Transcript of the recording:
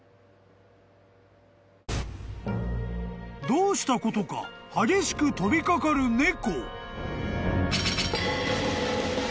［どうしたことか激しく飛び掛かる猫］